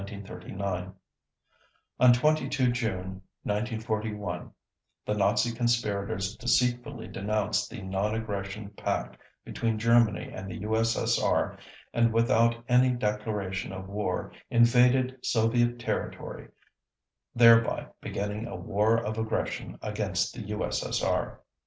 _ On 22 June 1941 the Nazi conspirators deceitfully denounced the Non Aggression Pact between Germany and the U.S.S.R. and without any declaration of war invaded Soviet territory thereby beginning a War of Aggression against the U.S.S.R.